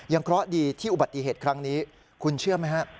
เคราะห์ดีที่อุบัติเหตุครั้งนี้คุณเชื่อไหมฮะ